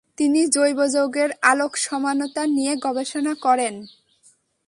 তিনি জৈব যৌগের আলোক সমাণুতা নিয়ে গবেষণা করেন।